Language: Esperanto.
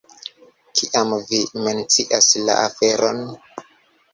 Kiam vi mencias la aferon.